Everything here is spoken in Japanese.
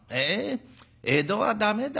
江戸は駄目だ。